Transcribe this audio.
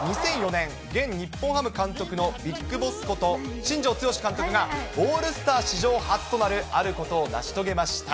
２００４年、現日本ハム監督のＢＩＧＢＯＳＳこと、新庄剛志監督が、オールスター史上初となる、あることを成し遂げました。